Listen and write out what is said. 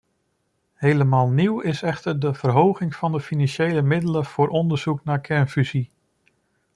Helemaal nieuw is echter de verhoging van de financiële middelen voor onderzoek naar kernfusie.